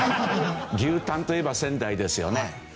牛タンといえば仙台ですよね。